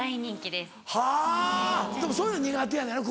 でもそういうの苦手やのやろ？